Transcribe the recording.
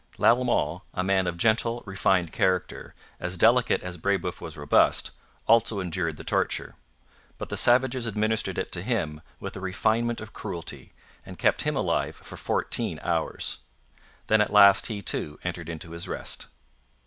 Lalemant, a man of gentle, refined character, as delicate as Brebeuf was robust, also endured the torture. But the savages administered it to him with a refinement of cruelty, and kept him alive for fourteen hours. Then at last he, too, entered into his rest.